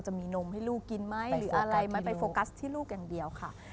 จะมีนมให้ลูกกินไหมหรืออะไรไหมไปโฟกัสที่ลูกอย่างเดียวค่ะ